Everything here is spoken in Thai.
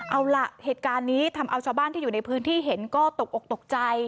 เอาล่ะเหตุการณ์นี้ทำเอาชาวบ้านที่อยู่ในพื้นที่เห็นก็ตกอกตกใจ